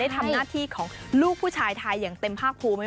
ทำหน้าที่ของลูกผู้ชายไทยอย่างเต็มภาคภูมิ